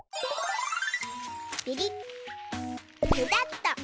ビリッペタッと。